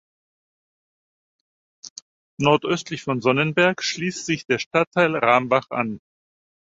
Nordöstlich von Sonnenberg schließt sich der Stadtteil Rambach an.